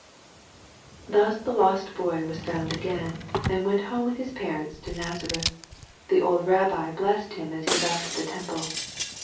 Thus the lost Boy was found again, and went home with his parents to Naasareth. The old rabbi blessed him as he left the Temple.